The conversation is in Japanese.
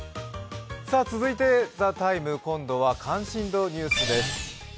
続いて「ＴＨＥＴＩＭＥ，」、今度は関心度のニュースです。